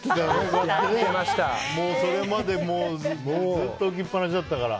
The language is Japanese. それまでずっと置きっぱなしだったから。